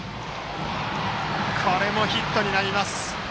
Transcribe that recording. これもヒットになります。